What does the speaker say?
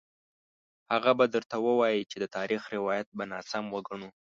هغه به درته ووايي چې د تاریخ روایت به ناسم وګڼو.